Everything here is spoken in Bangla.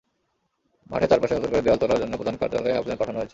মাঠের চারপাশে নতুন করে দেয়াল তোলার জন্য প্রধান কার্যালয়ে আবেদন পাঠানো হয়েছে।